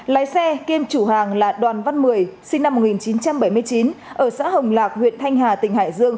lái xe kiêm chủ hàng là đoàn văn mười sinh năm một nghìn chín trăm bảy mươi chín ở xã hồng lạc huyện thanh hà tỉnh hải dương